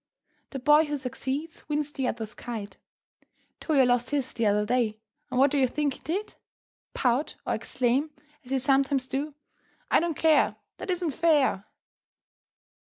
The boy who succeeds wins the other's kite. Toyo lost his the other day, and what do you think he did? Pout, or exclaim, as you sometimes do, "I don't care, that isn't fair?"